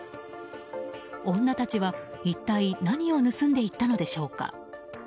女たちは一体何を盗んでいったのでしょうか。